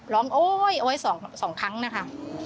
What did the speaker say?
ร้องโอ๊ยสองครั้งนะคะ